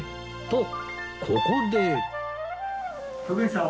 とここで